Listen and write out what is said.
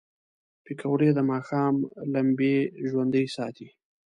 پکورې د ماښام لمبې ژوندۍ ساتي